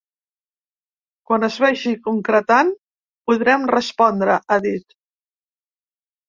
Quan es vagi concretant, podrem respondre, ha dit.